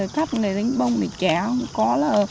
cắt đánh bông để kéo